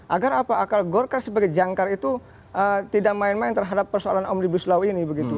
agar apa akal golkar sebagai jangkar itu tidak main main terhadap persoalan omnibus law ini begitu